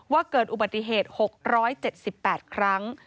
เกิดอุบัติเหตุ๖๗๘ครั้ง